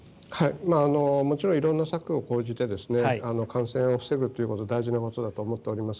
もちろん色んな策を講じて感染を防ぐというのは大事なことだと思っております